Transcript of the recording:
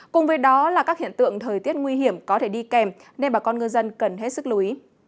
cùng với đó là các hiện tượng thời tiết nguy hiểm có thể đi kèm nên bà con ngư dân cần hết sức lưu ý